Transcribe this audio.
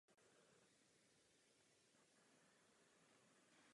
Tato schopnost byla nejspíš vlastní předchůdcům hadů i všem jejich raným zástupcům.